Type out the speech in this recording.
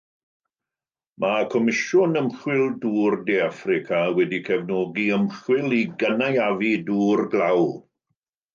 Mae Comisiwn Ymchwil Dŵr De Affrica wedi cefnogi ymchwil i gynaeafu dŵr glaw.